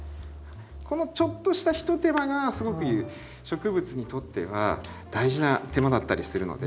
このちょっとしたひと手間がすごく植物にとっては大事な手間だったりするので。